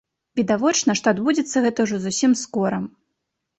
Відавочна, што адбудзецца гэта ўжо зусім скора.